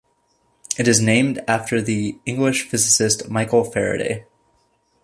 It is named after the English physicist Michael Faraday.